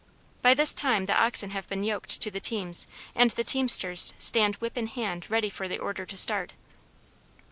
By this time the oxen have been yoked to the teams and the teamsters stand whip in hand ready for the order to start.